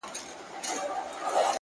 وه ه ته به كله زما شال سې ـ